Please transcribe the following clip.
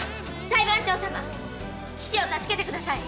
裁判長様父を助けてください！